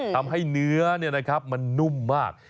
ทำให้เนื้อเนี่ยนะครับมันนุ่มมาก